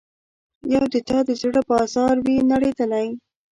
یو د تا د زړه بازار وي نړیدلی